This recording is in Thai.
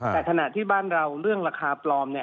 แต่ถนัดที่บ้านเราเรื่องราคาปลอม